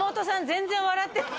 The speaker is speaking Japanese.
全然笑ってない